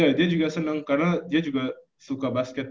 iya dia juga senang karena dia juga suka basket